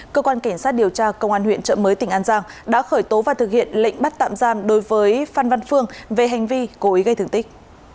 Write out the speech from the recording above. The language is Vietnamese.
cơ quan cảnh sát điều tra công an huyện trợ mới tỉnh an giang đã khởi tố và thực hiện lệnh bắt tạm giam đối với phan văn phương về hành vi cố ý gây thương tích